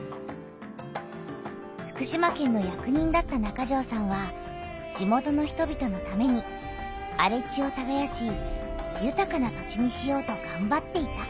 福島県の役人だった中條さんは地元の人びとのためにあれ地をたがやしゆたかな土地にしようとがんばっていた。